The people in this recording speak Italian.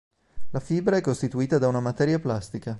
La fibra è costituita da una materia plastica.